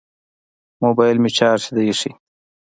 موبیل مې چارج ته ایښی